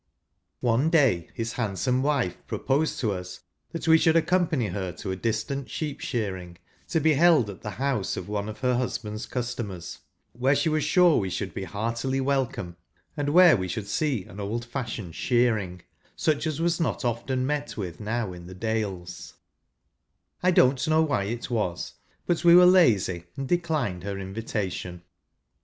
One day, his handsome wife proposed to us that we should accompany her to a distant sheep shearing, to be held at the bouse of one of her husband's customers, where she was sure we should be heartily welcome, and where we should see an old fashioned shearing, such as was not often rart with now in the Dales, I don't know why it was, but we were lazy, and declined her invitation.